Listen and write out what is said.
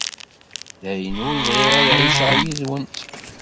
Dayen, ur bɣiɣ ad ɛiceɣ yid-wen.